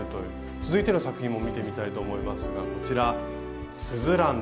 続いての作品も見てみたいと思いますがこちら「すずらん」です。